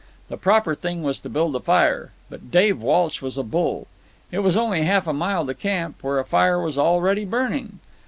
The proper thing was to build a fire. But Dave Walsh was a bull. It was only half a mile to camp, where a fire was already burning.